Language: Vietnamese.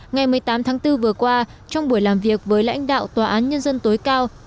ngày một mươi tám tháng bốn vừa qua trong buổi làm việc với lãnh đạo tòa án nhân dân tối cao